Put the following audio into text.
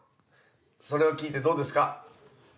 それを聞いてどうですか？